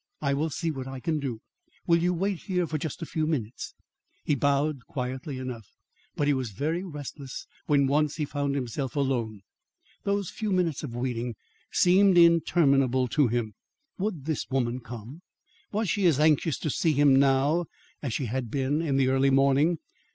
I will see what I can do. Will you wait here for just a few minutes?" He bowed quietly enough; but he was very restless when once he found himself alone. Those few minutes of waiting seemed interminable to him. Would the woman come? Was she as anxious to see him now as she had been in the early morning?